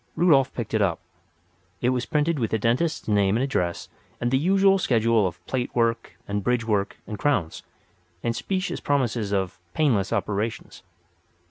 Rudolf picked it up. It was printed with the dentist's name and address and the usual schedule of "plate work" and "bridge work" and "crowns," and specious promises of "painless" operations.